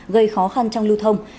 gây khó khăn trong lưu thông